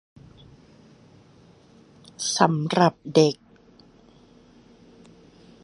สำหรับเด็ก